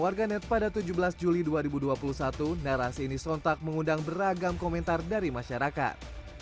warganet pada tujuh belas juli dua ribu dua puluh satu narasi ini sontak mengundang beragam komentar dari masyarakat